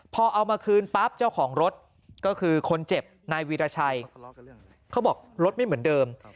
พอเอามาคืนปั๊บเจ้าของรถก็คือคนเจ็บนายวีรชัยเขาบอกรถไม่เหมือนเดิม